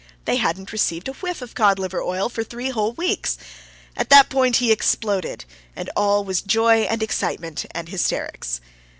They haven't received a whiff of cod liver oil for three whole weeks! At that point he exploded, and all was joy and excitement and hysterics.